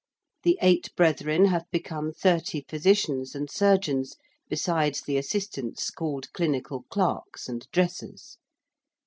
The eight brethren have become 30 physicians and surgeons besides the assistants called clinical clerks and dressers.